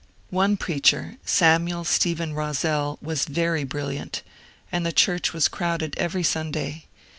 One preacher, Samuel Stephen Roszel, was very brilliant, and the church was crowded every Sunday.